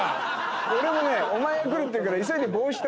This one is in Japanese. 俺もねお前が来るっていうから急いで。